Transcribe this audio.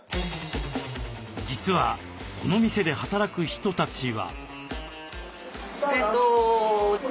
実はこの店で働く人たちは。